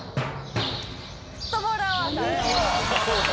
フットボールアワーさん！